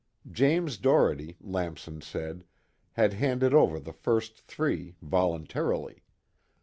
James Doherty, Lamson said, had handed over the first three voluntarily.